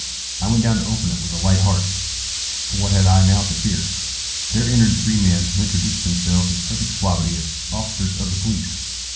I went down to open it with a light heart,—for what had I now to fear? There entered three men, who introduced themselves, with perfect suavity, as officers of the police.